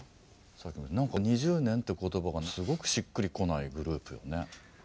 何か２０年っていう言葉がすごくしっくり来ないグループよね。